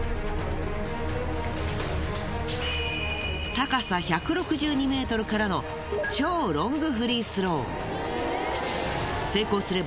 高さ１６２ｍからの超ロングフリースロー。